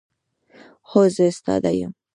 هو، زه استاد یم